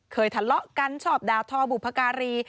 ทะเลาะกันชอบด่าทอบุพการี